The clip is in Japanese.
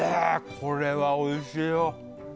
これはおいしいよ